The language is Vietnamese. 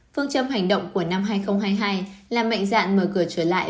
phương châm hành động của năm hai nghìn hai mươi hai là mạnh dạn mở cửa trở lại